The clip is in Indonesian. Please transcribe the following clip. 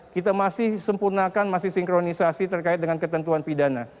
kita masih sempurnakan masih sinkronisasi terkait dengan ketentuan pidana